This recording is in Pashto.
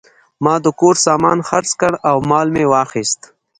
ما د کور سامان خرڅ کړ او مال مې واخیست.